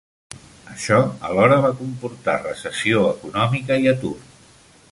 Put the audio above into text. Això alhora va comportar recessió econòmica i atur.